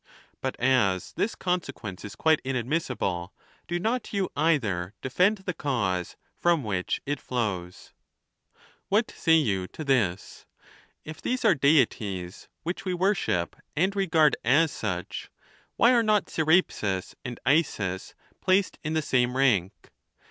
But as this consequence is quite inadmissible, do not you either de fend the cause from which it flows. XIX. What say you to this? If these are Deities, which we worship and regard as such, why are not Sera pis and Isis' placed in the same rank?